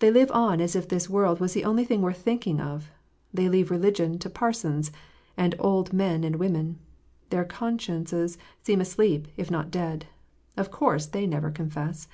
They live on as if this world was the only thing worth thinking of. They leave religion to parsons, and old men and women. Their consciences seem asleep, if not dead. Of course they never confess